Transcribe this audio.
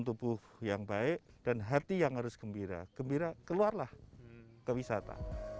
tubuh yang baik dan hati yang harus gembira gembira keluarlah ke wisata